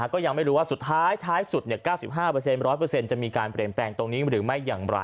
ก็ยังไม่รู้ว่าสุดท้ายท้ายสุด๙๕๑๐๐จะมีการเปลี่ยนแปลงตรงนี้หรือไม่อย่างไร